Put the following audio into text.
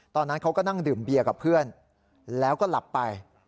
ตอนนั้นเขาก็นั่งดื่มเบียร์กับเพื่อนแล้วก็หลับไป